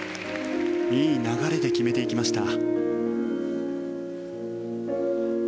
いい流れで決めていきました。